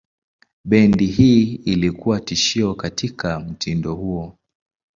Bendi hii ilikuwa tishio katika mtindo huo.